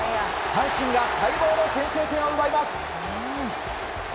阪神が待望の先制点を奪います。